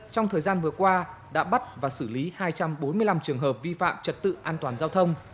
trong thời gian vừa qua đã bắt và xử lý hai trăm bốn mươi năm trường hợp vi phạm trật tự an toàn giao thông